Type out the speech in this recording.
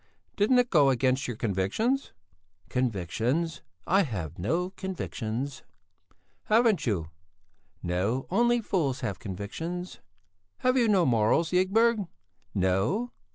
"Didn't it go against your convictions?" "Convictions? I have no convictions." "Haven't you?" "No, only fools have convictions." "Have you no morals, Ygberg?" "No!